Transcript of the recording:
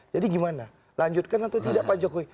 jadi gimana lanjutkan atau tidak pak jokowi